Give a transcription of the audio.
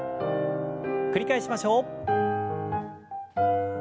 繰り返しましょう。